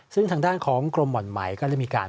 ซึ่งทางด้านของกรมห่อนใหม่ก็ได้มีการ